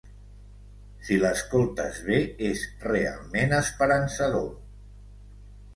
Si l'escoltes bé, es realment esperançador.